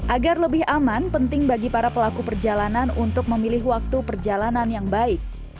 agar lebih aman penting bagi para pelaku perjalanan untuk memilih waktu perjalanan yang baik